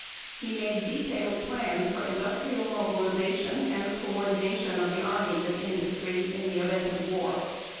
He made detailed plans for industrial mobilization and the coordination of the Army with industry in the event of war.